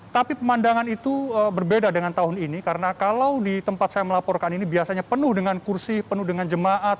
tapi pemandangan itu berbeda dengan tahun ini karena kalau di tempat saya melaporkan ini biasanya penuh dengan kursi penuh dengan jemaat